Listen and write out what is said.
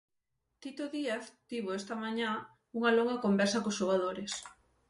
Tito Díaz tivo esta mañá unha longa conversa cos xogadores.